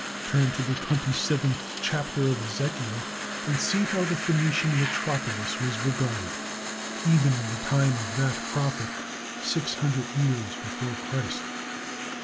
Turn to the twenty seventh chapter of Ezekiel, and see how the Phenician metropolis was regarded, even in the time of that prophet, six hundred years before Christ.